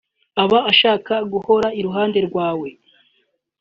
aba ashaka guhora iruhande rwawe